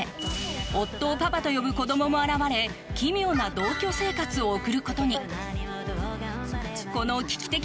夫のパパと呼ぶ子供も現れ奇妙な同居生活を送ることになります。